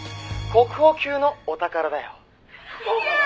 「国宝級のお宝だよ」